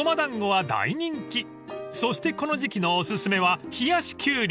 ［そしてこの時期のお薦めは冷やしきゅうり］